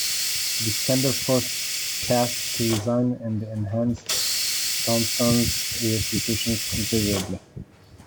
The scandal forced Cass to resign and enhanced Thompson's reputation considerably.